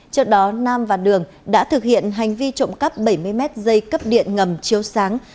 trước đó nam và đường đã thực hiện hành vi trộm cắp bảy mươi mét dây cấp điện ngầm chiếu sáng